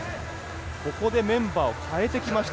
ここでメンバーをかえてきました。